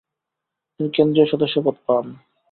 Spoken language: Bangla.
তিনি কেন্দ্রীয় সদস্যপদ পান।